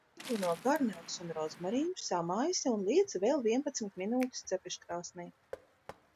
Pievieno garneles un rozmarīnu, samaisi un liec vēl vienpadsmit minūtes cepeškrāsnī.